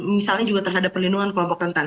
misalnya juga terhadap perlindungan kelompok rentan